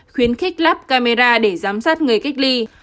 khuyến khích lắp camera để giám sát người cách ly